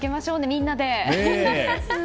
みんなで。